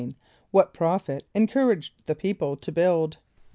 = What prophet encouraged the people to build?